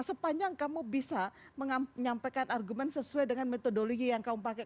sepanjang kamu bisa menyampaikan argumen sesuai dengan metodologi yang kamu pakai